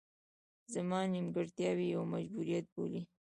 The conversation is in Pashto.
زما نیمګړتیاوې یو مجبوریت وبولي.